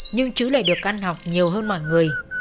nhưng chứ lại được ăn học nhiều hơn mọi người